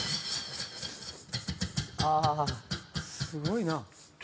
すごいな。